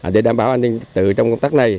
để đảm bảo an ninh trật tự trong công tác